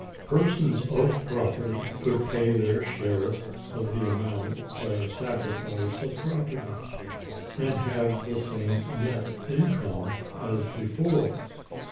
Persons of property could pay their share of the amount by a sacrifice of property, and have the same net income as before.